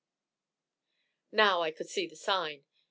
Now I could see the sign.